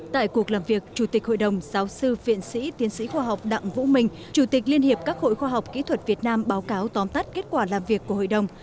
tại cuộc làm việc chủ tịch hội đồng giáo sư viện sĩ tiến sĩ khoa học đặng vũ minh chủ tịch liên hiệp các hội khoa học kỹ thuật việt nam báo cáo tóm tắt kết quả làm việc của hội đồng